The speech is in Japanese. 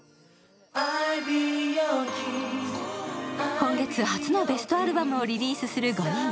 今月、初のベストアルバムをリリースする５人。